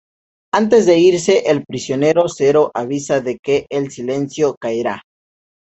Antes de irse, el prisionero cero avisa de que "El Silencio caerá".